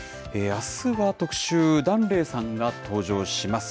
あすは特集、檀れいさんが登場します。